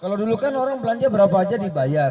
kalau dulu kan orang belanja berapa aja dibayar